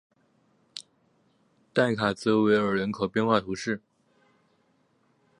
代卡泽维尔人口变化图示